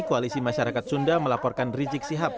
koalisi masyarakat sunda melaporkan rizik sihab